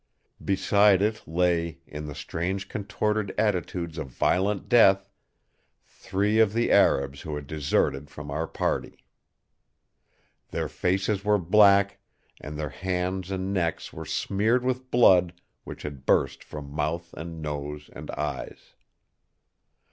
Beside it lay, in the strange contorted attitudes of violent death, three of the Arabs who had deserted from our party. Their faces were black, and their hands and necks were smeared with blood which had burst from mouth and nose and eyes.